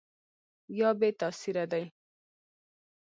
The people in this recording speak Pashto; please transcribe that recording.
یا بې تاثیره دي ؟